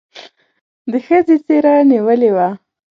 د ښځې څېره نېولې وه.